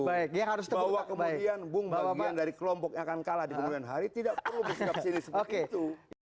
bahwa kemudian bung bagian dari kelompok yang akan kalah di kemudian hari tidak perlu bersikap sendiri seperti itu